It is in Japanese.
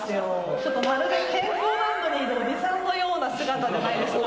ちょっとまるで健康ランドにいるオジサンのような姿じゃないですか？